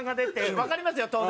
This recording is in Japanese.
わかりますよ、当然。